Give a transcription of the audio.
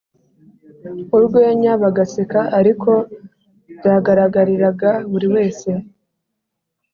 urwenya bagaseka ariko byagaragariraga buri wese